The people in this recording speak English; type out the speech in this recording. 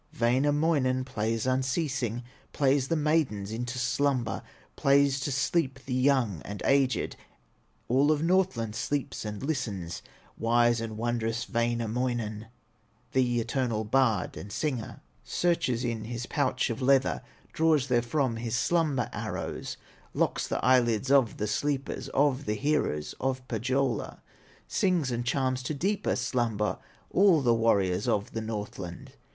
Wainamoinen plays unceasing, Plays the maidens into slumber, Plays to sleep the young and aged, All of Northland sleeps and listens. Wise and wondrous Wainamoinen, The eternal bard and singer, Searches in his pouch of leather, Draws therefrom his slumber arrows, Locks the eyelids of the sleepers, Of the heroes of Pohyola, Sings and charms to deeper slumber All the warriors of the Northland.